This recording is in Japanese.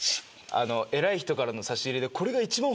偉い人からの差し入れで。